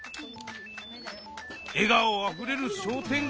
「えがおあふれる商店街」。